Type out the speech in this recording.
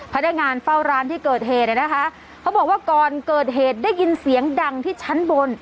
พนักงานเฝ้าร้านที่เกิดเหตุเนี่ยนะคะเขาบอกว่าก่อนเกิดเหตุได้ยินเสียงดังที่ชั้นบน